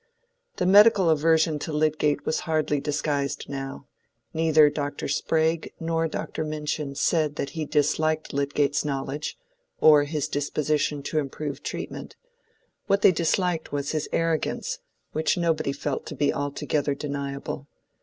The medical aversion to Lydgate was hardly disguised now. Neither Dr. Sprague nor Dr. Minchin said that he disliked Lydgate's knowledge, or his disposition to improve treatment: what they disliked was his arrogance, which nobody felt to be altogether deniable.